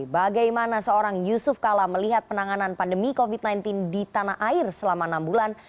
bagaimana seorang yusuf kala melihat penanganan pandemi covid sembilan belas di tanah air selama enam bulan